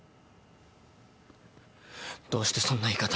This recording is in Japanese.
どうしてそんな言い方。